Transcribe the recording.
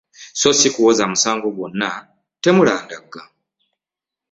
So si kuwoza musango gwonna, temulandagga